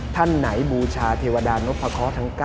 ท่านไหนบูชาเทวดานพะเคาะทั้ง๙